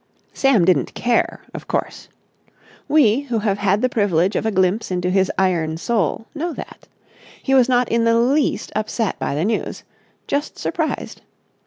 § 3 Sam didn't care, of course. We, who have had the privilege of a glimpse into his iron soul, know that. He was not in the least upset by the news—just surprised.